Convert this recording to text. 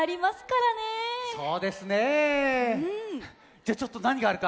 じゃちょっとなにがあるか。